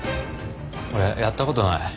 俺やったことない。